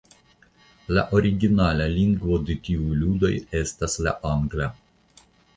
La originala lingvo de la ludoj estas la angla.